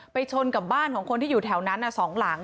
ชนกับบ้านของคนที่อยู่แถวนั้น๒หลัง